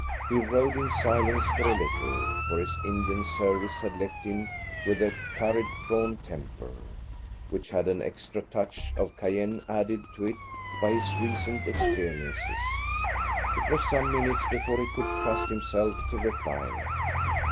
He rode in silence for a little, for his Indian service had left him with a curried prawn temper, which had had an extra touch of cayenne added to it by his recent experiences. It was some minutes before he could trust himself to reply.